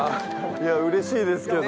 うれしいですけど。